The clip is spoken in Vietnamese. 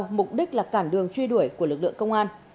mục đích là cản đường truy đuổi của lực lượng công an